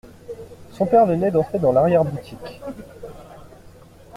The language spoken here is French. Son père venait d’entrer dans l’arrière-boutique.